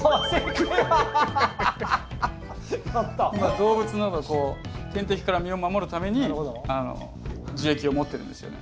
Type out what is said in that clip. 動物などの天敵から身を守るために樹液を持ってるんですよね。